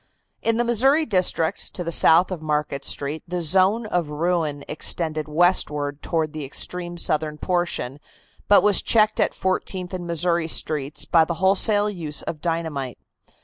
In the Missouri district, to the south of Market Street, the zone of ruin extended westward toward the extreme southern portion, but was checked at Fourteenth and Missouri Streets by the wholesale use of dynamite.